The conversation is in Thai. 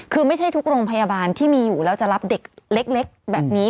คือไม่ใช่ทุกโรงพยาบาลที่มีอยู่แล้วจะรับเด็กเล็กแบบนี้